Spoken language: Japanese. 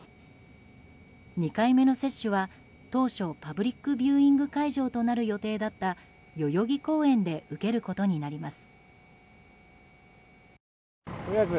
２回目の接種は、当初パブリックビューイング会場となる予定だった代々木公園で受けることになります。